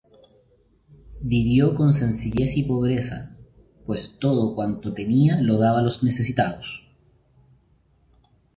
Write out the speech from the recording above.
Vivió con sencillez y pobreza, pues todo cuanto tenía lo daba a los necesitados.